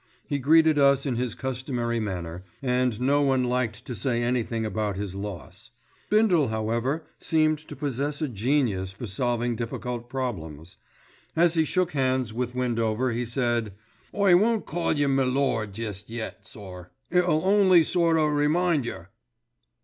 He greeted us in his customary manner, and no one liked to say anything about his loss. Bindle, however, seems to possess a genius for solving difficult problems. As he shook hands with Windover he said, "I won't call yer m'lord jest yet, sir, it'll only sort o' remind yer."